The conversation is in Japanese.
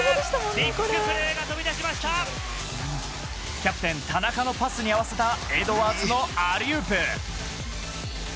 キャプテン・田中のパスに合わせたエドワーズのアリウープ。